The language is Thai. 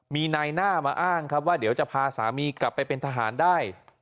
มีนายหน้ามาอ้างครับว่าเดี๋ยวจะพาสามีกลับไปเป็นทหารได้